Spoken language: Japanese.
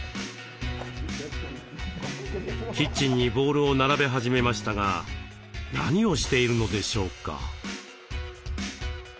キッチンにボウルを並べ始めましたが何をしているのでしょうか？